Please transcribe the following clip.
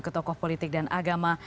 ketokoh politik dan agama